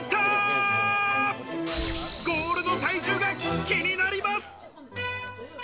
ゴールの体重が気になります！